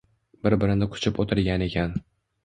Bir-birini quchib o’tirgan ekan.